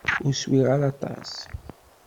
Ur swiɣ ara aṭas.